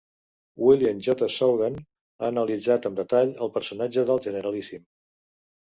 William J Sowder ha analitzat amb detall el personatge del Generalíssim.